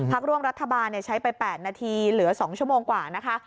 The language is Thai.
ร่วมรัฐบาลใช้ไป๘นาทีเหลือ๒ชั่วโมงกว่านะคะ